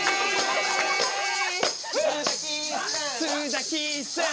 洲崎さん